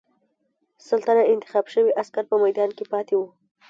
سل تنه انتخاب شوي عسکر په میدان کې پاتې وو.